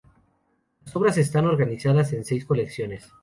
Las obras están organizadas en seis colecciones.